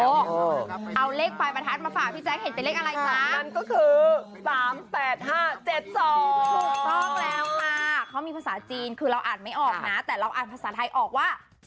เอาเลขปรายประทัดมาฝากพี่แจงเห็นเป็นเลขอะไรคะ